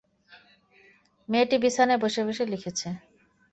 মেয়েটি বিছানায় বসে বসে লিখেছে।